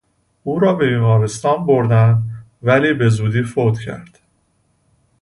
او را به بیمارستان بردند ولی به زودی فوت کرد.